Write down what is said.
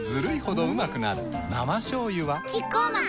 生しょうゆはキッコーマン